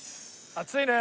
暑いね。